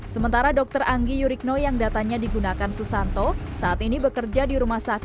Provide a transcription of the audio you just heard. sementara dokter anggi yurikno yang datanya digunakan susanto saat ini bekerja di rumah sakit